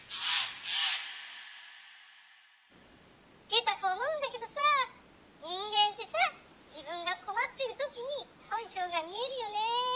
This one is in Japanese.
「ゲタ子思うんだけどさ人間ってさ自分が困ってる時に本性が見えるよね。